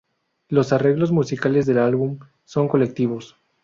Los arreglos musicales del álbum son colectivos.